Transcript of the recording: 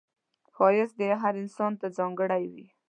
ښایست هر انسان ته ځانګړی وي